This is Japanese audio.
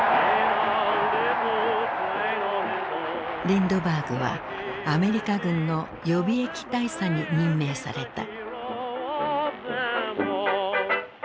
リンドバーグはアメリカ軍の予備役大佐に任命された。